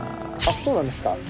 あっそうなんですか。